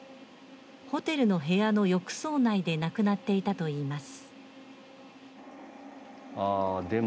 ホテルの部屋の浴槽内で亡くなっていたといいます。